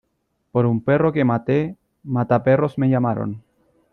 Por un perro que maté, mataperros me llamaron.